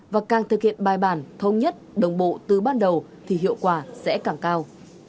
và càng thực hiện bài bản thông nhất đồng bộ từ ban đầu thì hiệu quả sẽ càng cao